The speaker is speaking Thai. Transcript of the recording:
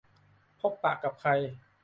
พบปะกับใคร